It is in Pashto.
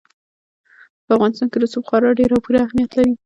په افغانستان کې رسوب خورا ډېر او پوره اهمیت لري.